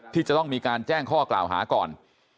ที่จะต้องมีการแจ้งข้อกล่าวหาก่อน